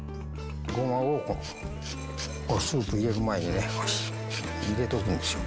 ごまをスープに入れる前にね、入れとくんですよ。